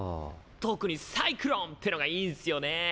特にサイクロンってのがいいんスよね！